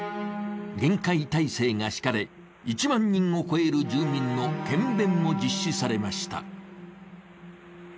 厳戒態勢が敷かれ、１万人を超える住民の検便も実施されました。